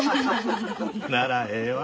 ならええわ。